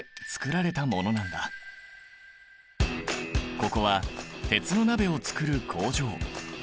ここは鉄の鍋を作る工場。